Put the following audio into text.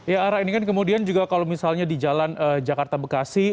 ya ara ini kan kemudian juga kalau misalnya di jalan jakarta bekasi